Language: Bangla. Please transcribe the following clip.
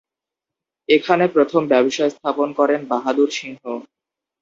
এখানে প্রথম ব্যবসা স্থাপন করেন বাহাদুর সিংহ।